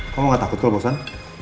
kamu gak takut kalau bosan